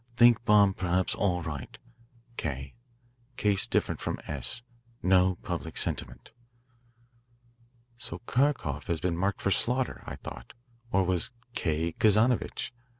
"Think bomb perhaps all right. K. case different from S. No public sentiment." "So Kharkoff had been marked for slaughter," I thought. Or was "K." Kazanovitch?